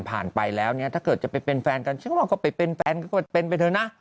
ไปแล้วเนี่ยถ้าเกิดจะไปเป็นแฟนกันฉันว่าก็ไปเป็นแฟนก็เป็นไปเถอะนะ